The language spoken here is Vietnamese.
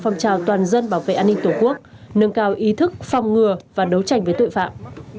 phong trào toàn dân bảo vệ an ninh tổ quốc nâng cao ý thức phòng ngừa và đấu tranh với tội phạm